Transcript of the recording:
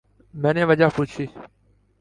میں نے وجہ پوچھی۔